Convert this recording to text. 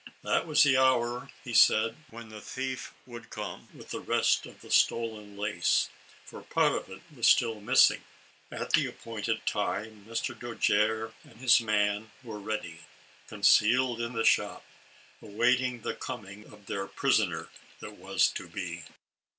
That was the hour, he said, when the thief would come with the rest of the stolen lace, for part of it was still missing. At the appointed time Mr. Dojere and his man were ready, concealed in the shop, awaiting the coming of their prisoner that was to be.